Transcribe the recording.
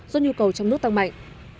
do nhu cầu trong nước tăng mạnh